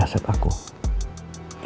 dan mengembalikan proses aku